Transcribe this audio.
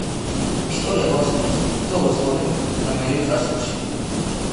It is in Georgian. ისტორია გვახსენებს, თუ როგორ ცხოვრობდნენ ადამიანები წარსულში.